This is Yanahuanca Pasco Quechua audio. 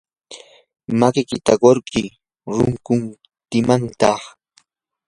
makikita qurquy ruqukuntimantaq.